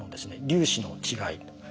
粒子の違い。